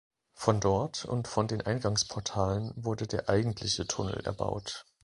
Von dort und von den Eingangsportalen wurde der eigentliche Tunnel erbaut.